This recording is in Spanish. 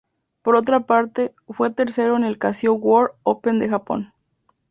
Por otra parte, fue tercero en el Casio World Open de Japón.